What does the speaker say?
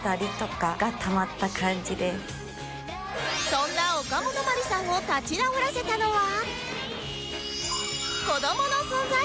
そんなおかもとまりさんを立ち直らせたのは